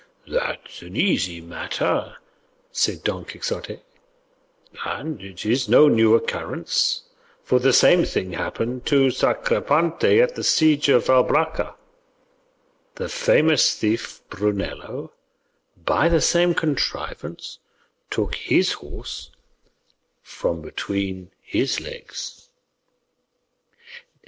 "That is an easy matter," said Don Quixote, "and it is no new occurrence, for the same thing happened to Sacripante at the siege of Albracca; the famous thief, Brunello, by the same contrivance, took his horse from between his legs."